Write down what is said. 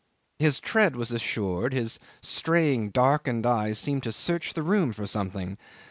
His tread was assured, his straying, darkened eyes seemed to search the room for something.